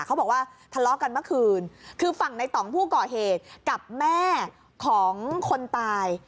เขาบอกว่าทะเลาะกันเมื่อคืนคือฝั่งในต่องผู้ก่อเหตุกับแม่ของคนตาย